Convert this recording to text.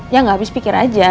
ya gak habis pikir aja